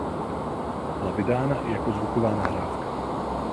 Byla vydána i jako zvuková nahrávka.